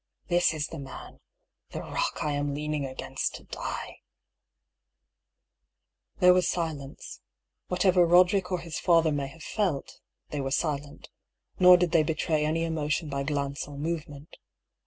This is the man — the rock I am leaning against to die !" There was silence. Whatever Roderick or his father may have felt, they were silent; nor did they betray any emotion by glance or movement.